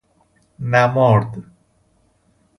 نَمارد